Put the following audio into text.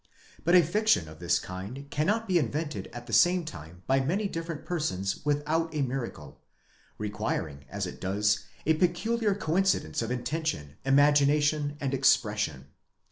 But a fiction of this kind cannot be invented at the same time by many different persons without a miracle, requiring, as it does, a peculiar coincidence ef intention, imagination, and expression.